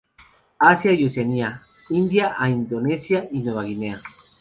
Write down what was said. Asia y Oceanía: India a Indonesia y Nueva Guinea.